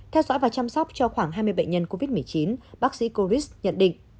theo dõi và chăm sóc cho khoảng hai mươi bệnh nhân covid một mươi chín bác sĩ coritz nhận định